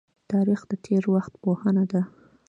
تاریخ د تیر وخت پوهنه ده